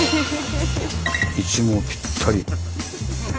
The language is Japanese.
位置もぴったり。